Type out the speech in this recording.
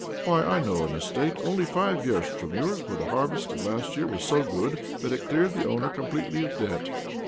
Why, I know an estate, only fifty versts from yours, where the harvest of last year was so good that it cleared the owner completely of debt.